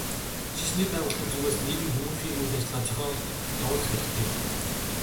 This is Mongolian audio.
Шашны байгууллагын зүгээс нийгэм хүмүүнлэгийн үйл ажиллагаа зохион явуулах хэрэгтэй.